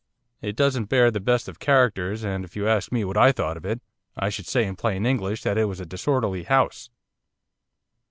It doesn't bear the best of characters, and if you asked me what I thought of it, I should say in plain English that it was a disorderly house.